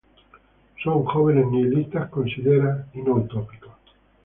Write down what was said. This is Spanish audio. Son jóvenes "nihilistas" -considera- y no utópicos.